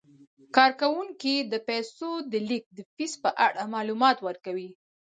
کارکوونکي د پیسو د لیږد د فیس په اړه معلومات ورکوي.